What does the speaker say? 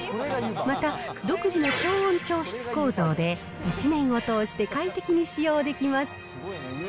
また、独自の調温調湿構造で、一年を通して快適に使用できます。